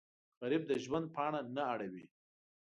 غریب د ژوند پاڼه نه اړوي